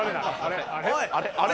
あれ？